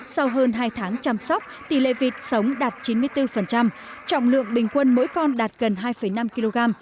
sau hơn hai tháng chăm sóc tỷ lệ vịt sống đạt chín mươi bốn trọng lượng bình quân mỗi con đạt gần hai năm kg